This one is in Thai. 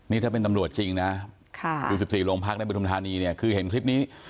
นี่ถ้าเป็นตำรวจจริงนะสิบสี่โรงพรคในประทุมธารณีคือเห็นคลิปนี้